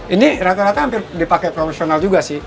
ini rata rata hampir dipakai profesional juga sih